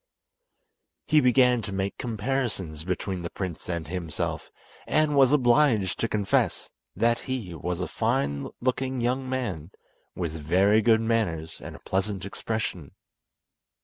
He began to make comparisons between the prince and himself, and was obliged to confess that he was a fine looking young man with very good manners and a pleasant expression.